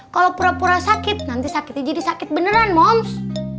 kalau pura pura sakit nanti sakitnya jadi sakit beneran moms